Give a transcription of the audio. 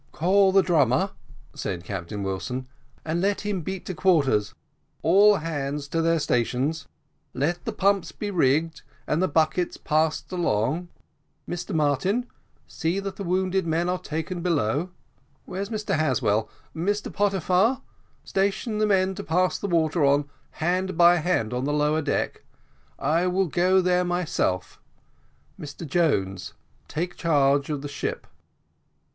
"Call the drummer," said Captain Wilson, "and let him beat to quarters all hands to their stations let the pumps be rigged and the buckets passed along. Mr Martin, see that the wounded men are taken down below. Where's Mr Haswell? Mr Pottyfar, station the men to pass the water on by hand on the lower deck. I will go there myself. Mr Jones, take charge of the ship."